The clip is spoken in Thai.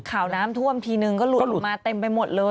ข่าวน้ำท่วมทีนึงก็หลุดออกมาเต็มไปหมดเลย